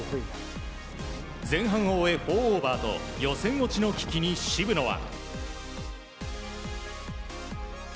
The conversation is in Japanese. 前半を終え４オーバーと予選落ちの危機に渋野は。